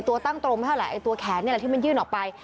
ตัวตั้งตรงไม่เท่าไหตัวแขนนี่แหละที่มันยื่นออกไป